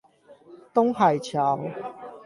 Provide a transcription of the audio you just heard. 東海橋